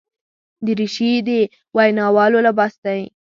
دریشي د ویناوالو لباس دی.